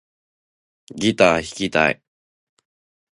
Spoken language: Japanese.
ギター弾きたい